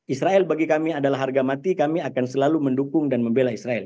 israel bagi kami adalah harga mati kami akan selalu mendukung dan membela israel